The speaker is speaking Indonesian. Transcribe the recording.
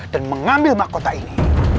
dan mengambil mahkota ini